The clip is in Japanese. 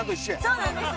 そうなんです！